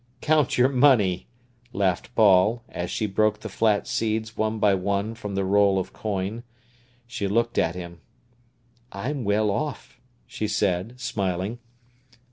"Count your money," laughed Paul, as she broke the flat seeds one by one from the roll of coin. She looked at him. "I'm well off," she said, smiling.